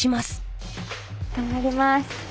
頑張ります。